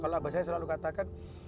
kalau abah saya selalu katakan